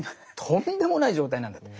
とんでもない状態なんだと。